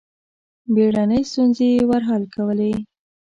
بېړنۍ ستونزې یې ور حل کولې.